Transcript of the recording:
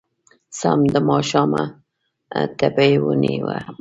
سم د ماښامه تبې ونيومه